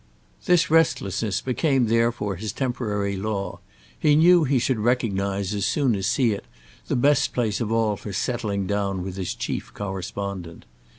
This restlessness became therefore his temporary law; he knew he should recognise as soon as see it the best place of all for settling down with his chief correspondent.